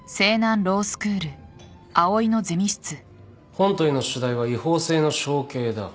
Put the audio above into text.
本問の主題は違法性の承継だ。